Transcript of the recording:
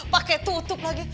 pakai tutup lagi